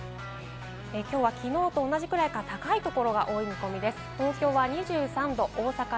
今日は昨日と同じか高い所が多い見込みです。